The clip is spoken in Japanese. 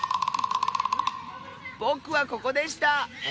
ぼくはここでした！